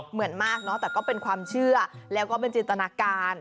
เหมือนมากเนอะแต่ก็เป็นความเชื่อแล้วก็เป็นจินตนาการ